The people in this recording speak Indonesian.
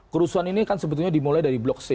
kerusuhan ini kan sebetulnya dimulai dari blok c